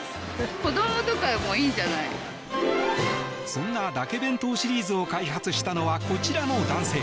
そんな、だけ弁当シリーズを開発したのはこちらの男性